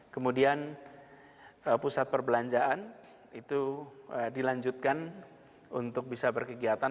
kemudian pusat perbelanjaan itu dilanjutkan untuk bisa berkegiatan